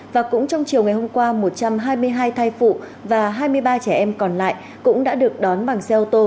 và cũng trong chiều ngày hôm qua một trăm hai mươi hai thai phụ và hai mươi ba trẻ em còn lại cũng đã được đón bằng xe ô tô